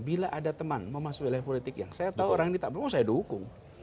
bila ada teman mau masuk wilayah politik yang saya tahu orang ini tidak bermasalah saya dukung